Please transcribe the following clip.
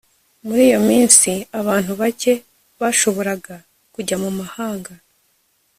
Muri iyo minsi abantu bake bashoboraga kujya mu mahanga